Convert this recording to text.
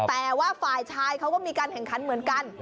แต่ว่าฝ่ายชายเขาก็มีการแข่งขันเหมือนกัน